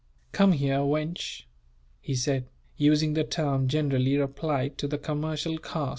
"Come here, weynsh," he said, using the term generally applied to the commercial caste.